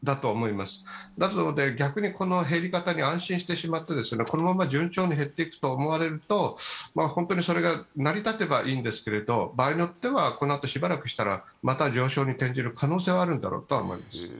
ですので、逆にこの減り方に安心してしまって、このまま順調に減っていくと思われると、本当にそれが成り立てばいいんですけれども場合によってはこのあと、しばらくしたら上昇に転じる可能性はあるんだろうと思います。